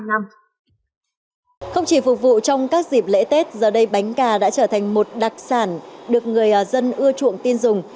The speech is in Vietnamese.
không chỉ phục vụ trong các dịp lễ tết giờ đây bánh cà đã trở thành một đặc sản được người dân ưa chuộng tin dùng